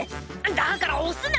「だから押すな！」